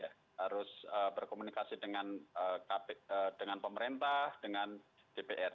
harus berkomunikasi dengan pemerintah dengan dpr